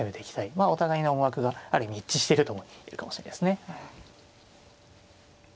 まあお互いの思惑がある意味一致してるとも言えるかもしれないですね。